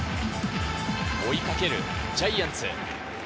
追い掛けるジャイアンツ。